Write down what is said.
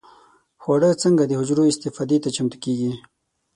خواړه څنګه د حجرو استفادې ته چمتو کېږي؟